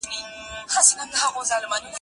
کبرګل یو کمیاب غرنی ګل دی.